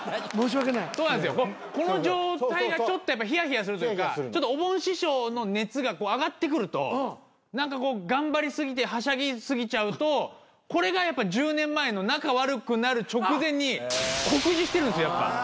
この状態がちょっとひやひやするというかちょっとおぼん師匠の熱が上がってくると何か頑張り過ぎてはしゃぎ過ぎちゃうとこれがやっぱ１０年前の仲悪くなる直前に酷似してるんですよ。